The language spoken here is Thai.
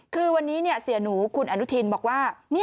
คือวันนี้เสียหนูคุณอนุทินบอกว่า